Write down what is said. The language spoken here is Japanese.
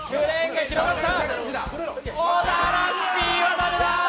小田ラッピーは駄目だ。